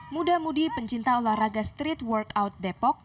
muda mudi pencinta olahraga street workout depok